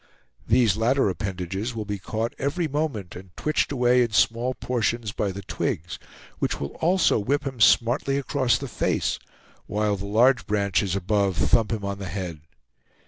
These latter appendages will be caught every moment and twitched away in small portions by the twigs, which will also whip him smartly across the face, while the large branches above thump him on the head.